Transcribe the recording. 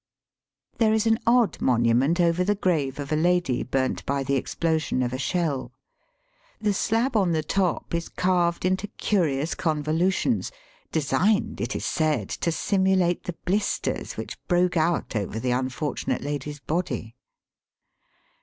There is an odd monument over the grave of a lady burnt by the explosion of a shell. The slab on the top is carved into curious convolutions, designed, it is said, to simulate the blisters which broke out over the unfortu nate lady's body.